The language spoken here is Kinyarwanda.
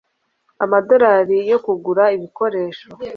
amadorali yo kugura ibikoresho.